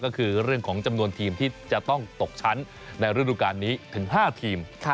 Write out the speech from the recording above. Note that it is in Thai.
ก็คือเรื่องของจำนวนทีมที่จะต้องตกชั้นในฤดูการนี้ถึง๕ทีม